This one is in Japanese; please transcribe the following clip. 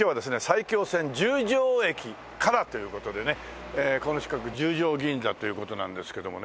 埼京線十条駅からという事でねこの近く十条銀座という事なんですけどもね。